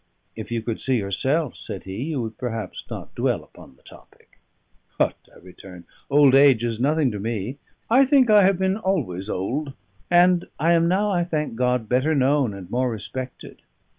"If you could see yourself," said he, "you would perhaps not dwell upon the topic." "Hut!" I returned, "old age is nothing to me. I think I have been always old; and I am now, I thank God, better known and more respected.